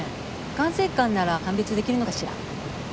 管制官なら判別できるのかしら？